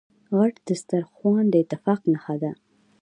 غټ سترخوان داتفاق نښه ده.